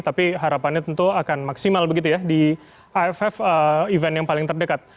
tapi harapannya tentu akan maksimal begitu ya di aff event yang paling terdekat